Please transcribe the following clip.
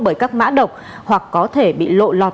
bởi các mã độc hoặc có thể bị lộ lọt